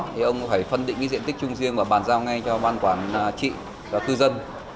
thì ông phải phân định cái diện tích chung riêng và bàn giao ngay cho ban quản trị và cư dân